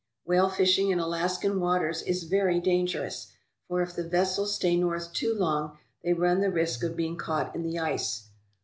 Whale fishing in Alaskan waters is very dangerous, for if the vessels stay north too long they run the risk of being caught in the ice.